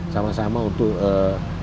sama sama untuk memberikan penyadaran